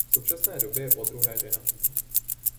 V současné době je podruhé ženatý.